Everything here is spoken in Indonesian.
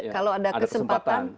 kalau ada kesempatan